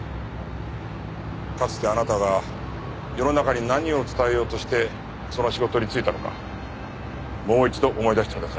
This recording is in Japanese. かつてあなたが世の中に何を伝えようとしてその仕事に就いたのかもう一度思い出してください。